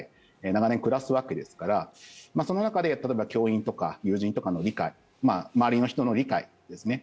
長年、暮らすわけですからその中で例えば教員とか友人とかの理解周りの人の理解ですね。